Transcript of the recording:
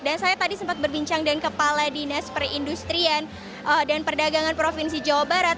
dan saya tadi sempat berbincang dengan kepala dinas perindustrian dan perdagangan provinsi jawa barat